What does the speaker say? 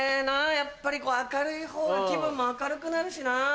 やっぱり明るいほうが気分も明るくなるしなぁ。